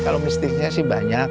kalau mistisnya sih banyak